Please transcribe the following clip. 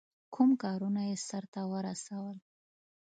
کوم کارونه یې سرته ورسول.